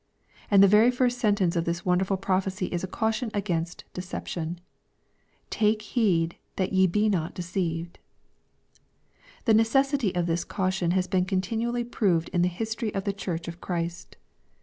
And th^ very first sentence of this wondrous prophecy is a caution against deception^ " Take heed that ye be not deceived/' The necessity of this caution has been continually proved in the history of the Church of Christ.